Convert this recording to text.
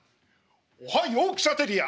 おはヨークシャーテリア！